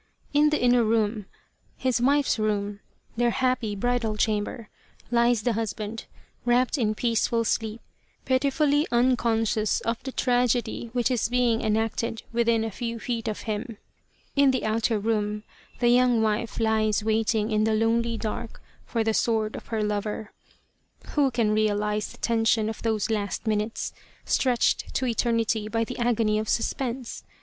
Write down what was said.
In the inner room his wife's room, their happy bridal chamber lies the husband, wrapt in peaceful sleep, pitifully unconscious of the tragedy which is being enacted within a few feet of him. In the outer room the young wife lies waiting in the lonely dark for the sword of her lover. Who can realize the tension of those last minutes, stretched to eternity by the agony of suspense